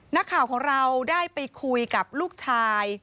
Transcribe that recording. นักข่าวของเราได้ไปคุยกับลูกชาย